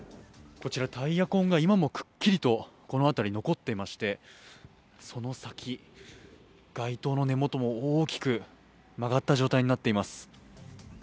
こちらタイヤ痕、今もくっきりと、この辺り残っていまして、その先、街灯の根元も大きく曲がった状態になっています。